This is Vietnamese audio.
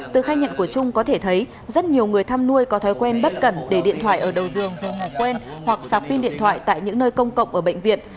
từ khai nhận của trung có thể thấy rất nhiều người thăm nuôi có thói quen bất cẩn để điện thoại ở đầu giường quen hoặc sạp pin điện thoại tại những nơi công cộng ở bệnh viện